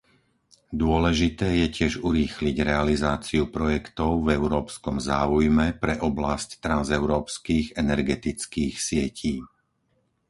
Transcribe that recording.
Dôležité je tiež urýchliť realizáciu projektov v európskom záujme pre oblasť transeurópskych energetických sietí.